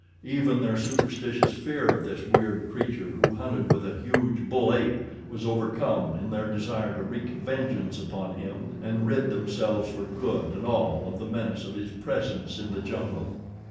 Even their superstitious fear of this weird creature who hunted with a huge bull ape was overcome in their desire to wreak vengeance upon him and rid themselves for good and all of the menace of his presence in the jungle.